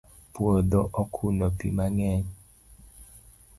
puodho okuno pi mangeny